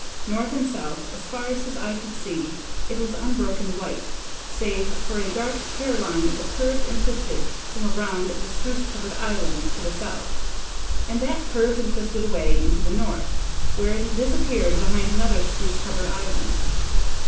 North and south, as far as his eye could see, it was unbroken white, save for a dark hair line that curved and twisted from around the spruce covered island to the south, and that curved and twisted away into the north, where it disappeared behind another spruce covered island.